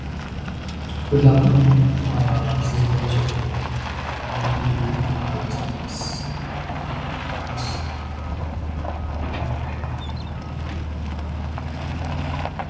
This is attributed to aliens who are believed to be in league with Namor.